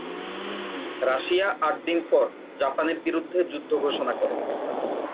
Russia আট দিন পর জাপানের বিরুদ্ধে যুদ্ধ ঘোষণা করে।